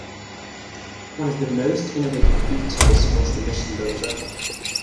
One of the most innovative features was the mission builder.